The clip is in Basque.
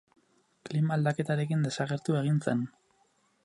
Klima aldaketarekin desagertu egin zen.